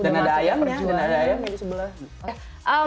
dan ada ayamnya di sebelah